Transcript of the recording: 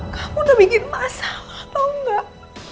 kamu udah bikin masalah tau gak